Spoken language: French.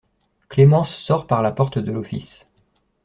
Clémence sort par la porte de l’office.